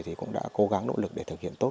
thì cũng đã cố gắng nỗ lực để thực hiện tốt